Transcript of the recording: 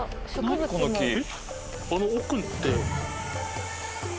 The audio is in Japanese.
あの奥って。